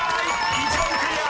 １問クリア！